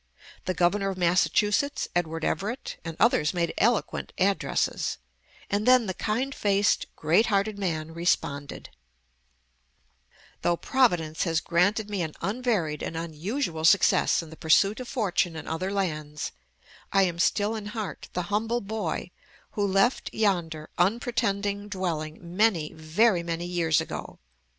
The Governor of Massachusetts, Edward Everett, and others made eloquent addresses, and then the kind faced, great hearted man responded: "Though Providence has granted me an unvaried and unusual success in the pursuit of fortune in other lands, I am still in heart the humble boy who left yonder unpretending dwelling many, very many years ago....